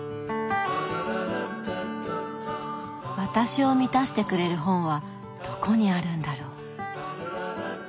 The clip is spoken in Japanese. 私を満たしてくれる本はどこにあるんだろう。